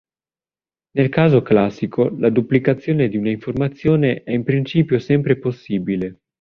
Nel caso classico la duplicazione di una informazione è in principio sempre possibile.